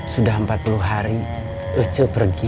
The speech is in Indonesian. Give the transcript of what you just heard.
sudah empat puluh hari kecil pergi